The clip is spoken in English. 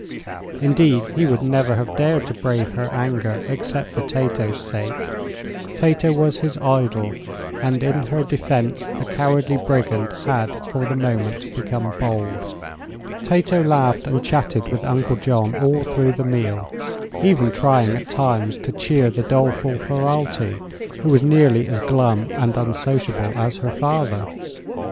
Indeed, he would never have dared to brave her anger except for Tato's sake. Tato was his idol, and in her defense the cowardly brigand had for the moment become bold. Tato laughed and chatted with Uncle John all through the meal, even trying at times to cheer the doleful Ferralti, who was nearly as glum and unsociable as her father.